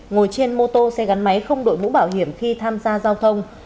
ngồi trên mô tô xe gắn máy không đội mũ bảo hiểm khi tham gia giao thông